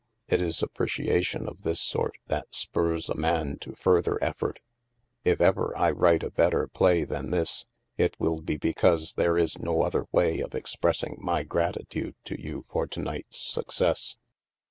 It is appreciation of this sort that spurs a man to further effort. If ever I write a better play than this, it will be because there is no other way of ex pressing my gratitude to you for to night's success.